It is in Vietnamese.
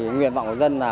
nguyện vọng của dân là